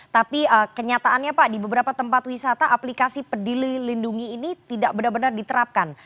tapi kenyataannya pak di beberapa tempat wisata aplikasi peduli lindungi ini tidak benar benar diterapkan